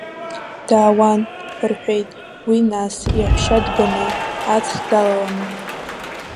Даауан, рҳәеит, уи нас, иаҳәшьа дбаны, аҵх далаланы.